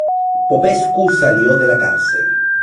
Popescu salió de la cárcel.